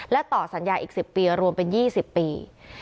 และต่อสัญญาอีก๑๐ปีรวมเป็น๒๐ปี